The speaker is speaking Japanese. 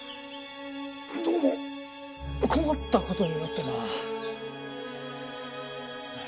どうも困った事になってな。